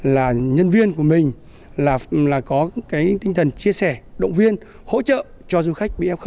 là nhân viên của mình là có cái tinh thần chia sẻ động viên hỗ trợ cho du khách bị khở